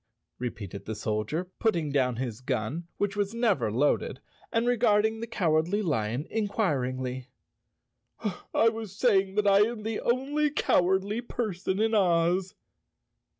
repeated the Soldier, putting down his gun which was never loaded, and regarding the Cow¬ ardly Lion inquiringly. "I was saying that I am the only cowardly person in Oz."